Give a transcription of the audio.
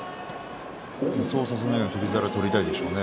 そうさせないように翔猿は取りたいでしょうね。